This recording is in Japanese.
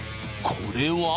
これは？